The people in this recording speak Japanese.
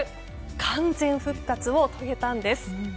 完全復活を遂げたんです。